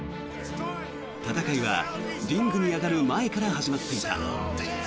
戦いはリングに上がる前から始まっていた。